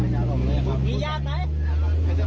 อยู่กาโหลงเลยครับ